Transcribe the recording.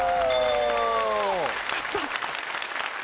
やった！